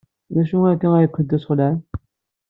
D acu akka ay kent-yesxelɛen?